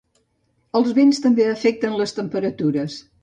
Els vents també afecten les temperatures.